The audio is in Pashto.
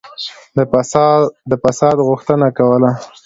د فساد غوښتنه کوله.